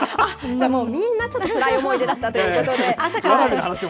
じゃあ、みんなちょっとつらい思い出だったということで。